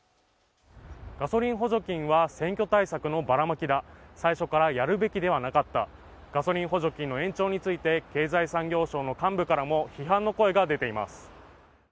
ガソリン補助金は選挙対策のばらまきだ最初からやるべきではなかったガソリン補助金の延長について経済産業省の幹部からも批判の声が出ています